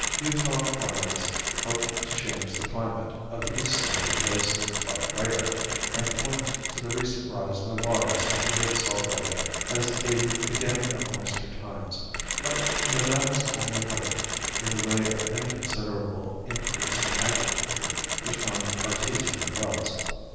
Utah farmers hope to change the climate of the east side of the basin by prayer, and point to the recent rise in the waters of the Great Salt Lake as a beginning of moister times. But Nevada's only hope, in the way of any considerable increase in agriculture, is from artesian wells.